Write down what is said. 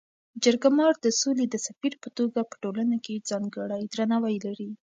جرګه مار د سولي د سفیر په توګه په ټولنه کي ځانګړی درناوی لري.